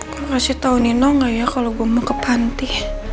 kalo kasih tau nino gak ya kalo gua mau ke panti